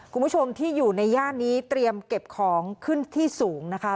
คุณผู้ชมที่อยู่ในย่านนี้เตรียมเก็บของขึ้นที่สูงนะคะ